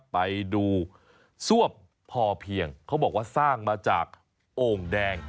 ไปดูซ่วมพอเพียงเขาบอกว่าสร้างมาจากโอ่งแดง